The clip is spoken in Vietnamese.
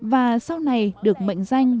và sau này được mệnh danh